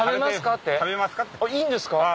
いいんですか？